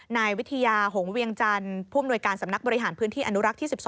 นายวิทยาหงเวียงจันทร์ผู้อำนวยการสำนักบริหารพื้นที่อนุรักษ์ที่๑๒